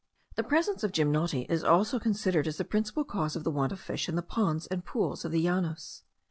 The presence of gymnoti is also considered as the principal cause of the want of fish in the ponds and pools of the Llanos.